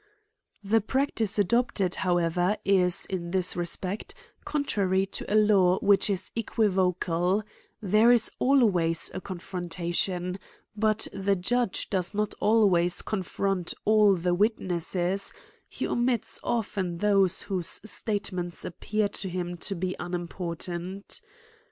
235 The practice adopted, however, is, in this re spect, contrary to a law which is equivocal ; there is always a confrontation; but the judge does not always confront all the witnesses, he omits of ten those whose statements appear to him to be unimportant.